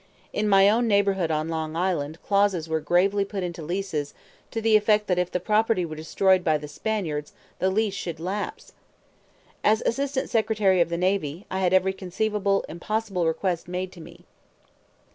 In my own neighborhood on Long Island clauses were gravely put into leases to the effect that if the property were destroyed by the Spaniards the lease should lapse. As Assistant Secretary of the Navy I had every conceivable impossible request made to me.